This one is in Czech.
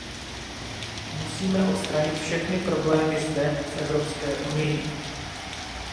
Musíme odstranit všechny problémy zde, v Evropské unii.